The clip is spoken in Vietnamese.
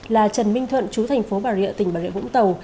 là trần minh thuận chú thành phố bà rịa tỉnh bà rịa vũng tàu